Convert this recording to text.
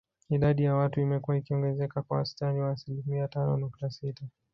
Idadi ya watu imekua ikiongezeka kwa wastani wa asilimia tano nukta sita